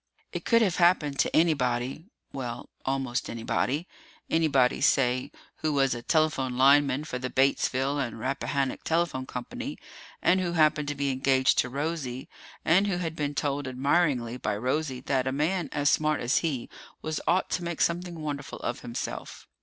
It could have happened to anybody well, almost anybody. Anybody, say, who was a telephone lineman for the Batesville and Rappahannock Telephone Company, and who happened to be engaged to Rosie, and who had been told admiringly by Rosie that a man as smart as he was ought to make something wonderful of himself.